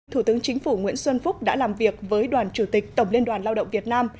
thủ tướng chính phủ nguyễn xuân phúc đã làm việc với đoàn chủ tịch tổng liên đoàn lao động việt nam